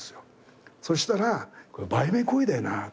そしたら「これ売名行為だよな」